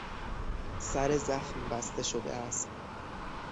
سر زخم بسته شده است.